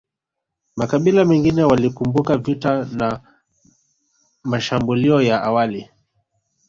Makabila mengine walikumbuka vita na mashambulio ya awali